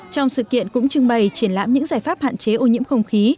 trong sự kiện cũng trưng bày triển lãm những giải pháp hạn chế ô nhiễm không khí